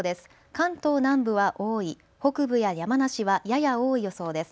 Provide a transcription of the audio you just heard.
関東南部は多い、北部や山梨はやや多い予想です。